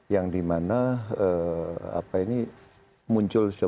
yang di mana